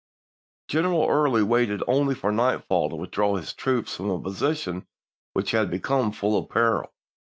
Greneral Early waited only for nightfall to with draw his troops from a position which had become full of peril.